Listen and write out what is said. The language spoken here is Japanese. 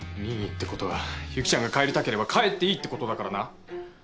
任意ってことは由岐ちゃんが帰りたければ帰っていいってことだからな。